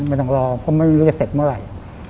ไม่ต้องรอเพราะไม่รู้จะเสร็จเมื่อไหร่